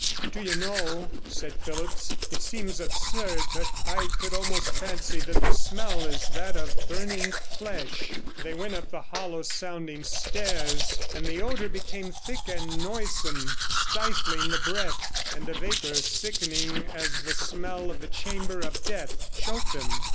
'Do you know,' said Phillipps, 'it seems absurd, but I could almost fancy that the smell is that of burning flesh.' 147 They went up the hollow sounding stairs, and the odour became thick and noisome, stifling the breath, and a vapour, sickening as the smell of the chamber of death, choked them.